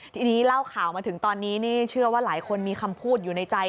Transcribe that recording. ทีนี้เล่าข่าวมาถึงตอนนี้นี่เชื่อว่าหลายคนมีคำพูดอยู่ในใจ